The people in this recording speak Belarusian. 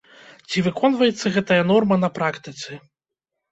Ці выконваецца гэтая норма на практыцы?